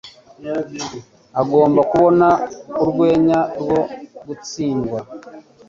Agomba kubona urwenya rwo gutsindwa"